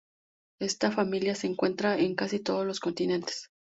Esta familia se encuentra en casi todos los continentes.